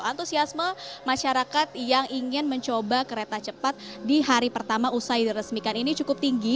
antusiasme masyarakat yang ingin mencoba kereta cepat di hari pertama usai diresmikan ini cukup tinggi